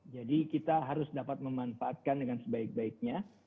jadi kita harus dapat memanfaatkan dengan sebaik baiknya